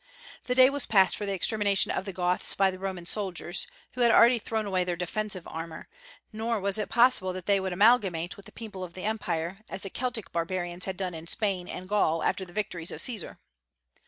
The day was past for the extermination of the Goths by Roman soldiers, who had already thrown away their defensive armor; nor was it possible that they would amalgamate with the people of the Empire, as the Celtic barbarians had done in Spain and Gaul after the victories of Caesar.